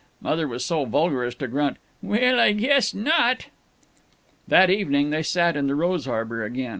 Mother was so vulgar as to grunt, "Well, I guess not!" That evening they sat in the rose arbor again.